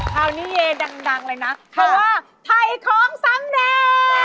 คราวนี้เย่ดังเลยนะคำว่าไถของสำเนิน